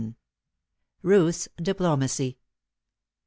RUTH'S DIPLOMACY.